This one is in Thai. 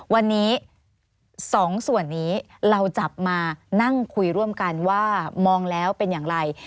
วันนี้๒ส่วนนี้เราจับมานั่งคุยร่วมกันว่ามองแล้วเป็นอย่างไร